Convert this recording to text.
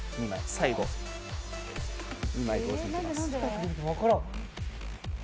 最後２枚同時にいきます。